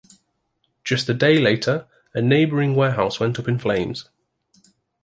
Just a day later, a neighbouring warehouse went up in flames.